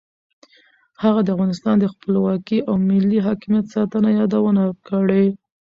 هغه د افغانستان د خپلواکۍ او ملي حاکمیت ساتنه یادونه کړې.